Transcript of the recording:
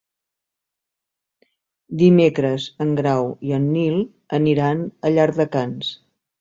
Dimecres en Grau i en Nil aniran a Llardecans.